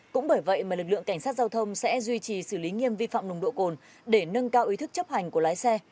cũng bởi vậy mà lực lượng cảnh sát giao thông sẽ duy trì xử lý nghiêm vi phạm nồng độ cồn để nâng cao ý thức chấp hành của lái xe